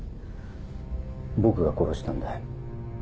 僕が殺したんだ。